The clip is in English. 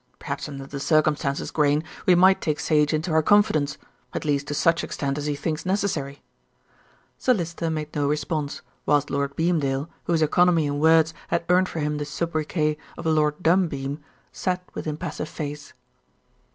Perhaps under the circumstances, Grayne, we might take Sage into our confidence; at least to such extent as he thinks necessary." Sir Lyster made no response, whilst Lord Beamdale, whose economy in words had earned for him the sobriquet of "Lord Dumbeam," sat with impassive face.